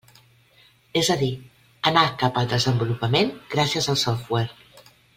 És a dir, anar cap al desenvolupament gràcies al software.